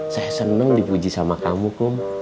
saya senang dipuji sama kamu kum